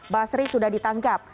basri sudah ditangkap